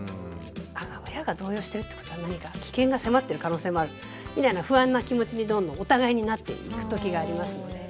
親が動揺してるってことは何か危険が迫ってる可能性もあるみたいな不安な気持ちにどんどんお互いになっていくときがありますので。